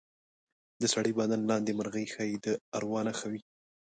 د سړي بدن لاندې مرغۍ ښایي د اروا نښه وي.